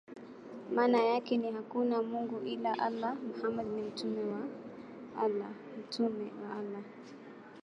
Maana yake ni: "Hakuna mungu ila Allah; Muhammad ni mtume wa Allah".